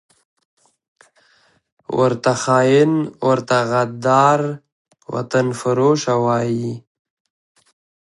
ورته خاین، ورته غدار، وطنفروشه وايي